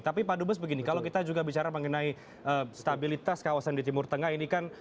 tapi pak dubes begini kalau kita juga bicara mengenai stabilitas kawasan di timur tengah ini kan